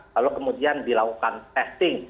lalu kemudian dilakukan testing